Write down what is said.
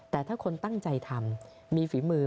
แต่ถ้าคนตั้งใจทำมีฝีมือ